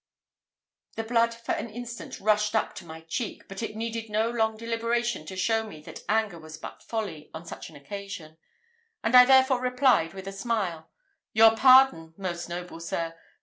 The blood for an instant rushed up to my cheek, but it needed no long deliberation to show me that anger was but folly on such an occasion; and I therefore replied with a smile, "Your pardon, most noble sir!